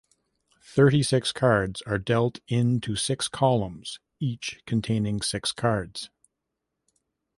Thirty-six cards are dealt in to six columns, each containing six cards.